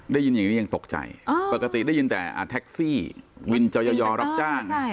ได้ยินอย่างนี้ยังตกใจปกติได้ยินแต่แท็กซี่วินจอยอรับจ้าง